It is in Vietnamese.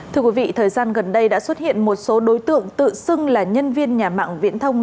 thưa quý vị thời gian gần đây đã xuất hiện một số đối tượng tự xưng là nhân viên nhà mạng viễn thông